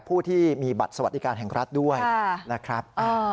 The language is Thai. ผู้ที่มีบัตรสวัสดิการแห่งรัฐด้วยนะครับ